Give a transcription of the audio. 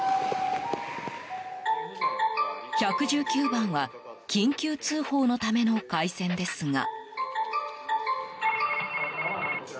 １１９番は緊急通報のための回線ですが。